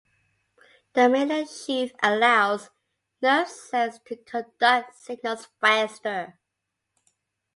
The myelin sheath allows nerve cells to conduct signals faster.